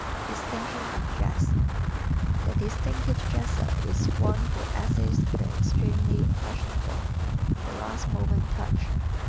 Distinction in Dress ¶ The distinctive dresser is one who essays the extremely fashionable, the "last moment" touch.